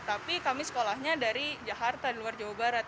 tapi kami sekolahnya dari jakarta di luar jawa barat